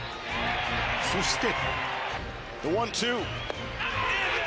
そして。